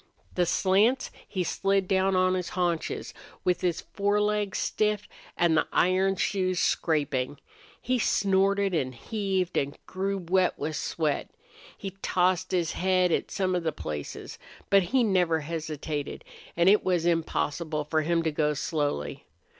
The slants he slid down on his haunches with his forelegs stiff and the iron shoes scraping. He snorted and heaved and grew wet with sweat. He tossed his head at some of the places. But he never hesitated and it was impossible for him to go slowly.